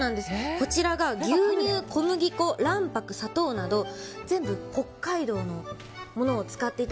こちらが牛乳、小麦粉卵白、砂糖など全部、北海道のものを使っていて。